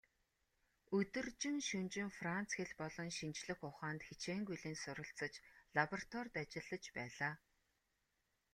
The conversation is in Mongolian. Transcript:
Өдөржин шөнөжин Франц хэл болон шинжлэх ухаанд хичээнгүйлэн суралцаж, лабораторид ажиллаж байлаа.